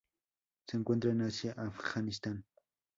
Se encuentran en Asia: Afganistán.